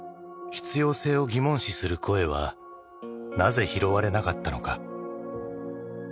必要性を疑問視する声はなぜ拾われなかったのか。